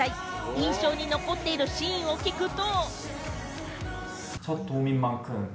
印象に残っているシーンを聞くと。